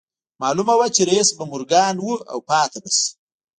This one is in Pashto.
معلومه وه چې رييس به مورګان و او پاتې به شي